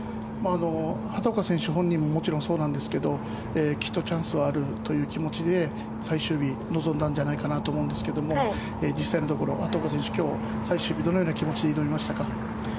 畑岡選手本人ももちろんそうなんですがきっとチャンスはあるという気持ちで最終日、臨んだんじゃないかなと思うんですが実際のところ畑岡選手、最終日どのような気持ちで挑みましたか？